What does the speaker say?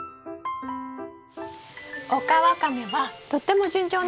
オカワカメはとっても順調なんです。